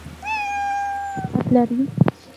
ایا کوم ترشحات لرئ؟